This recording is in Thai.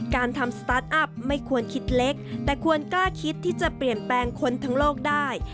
การทำสตาร์ทอัพไม่ควรคิดเล็กแต่ควรกล้าคิดที่จะเปลี่ยนแปลงคนทั้งโลกได้